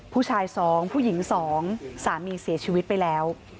ผู้ชาย๒ผู้หญิง๒สามีเสียชีวิตไปแล้ว